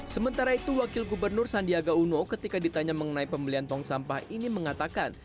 sementara itu wakil gubernur sandiaga uno ketika ditanya mengenai pembelian tong sampah ini mengatakan